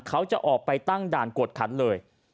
เขาจะออกไปตั้งด่านกวดขันเลย